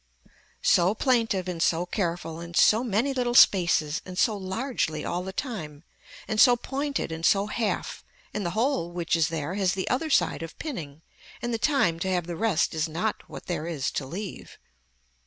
So plaintive and so careful and so many little spaces and so largely all the time, and so pointed and so half and the whole which is there has the other side of pinning and the time to have the rest is not what there is to leave.